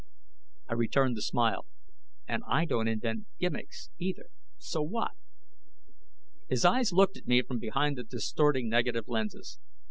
I returned the smile. "And I don't invent gimmicks, either. So what?" His eyes looked at me from behind the distorting negative lenses.